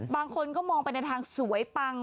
บางคนก็มองไปในทางสวยปัง